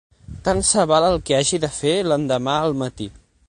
Tant se val el que hagi de fer l'endemà al matí.